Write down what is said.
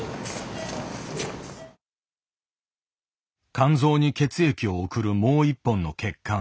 肝臓に血液を送るもう一本の血管。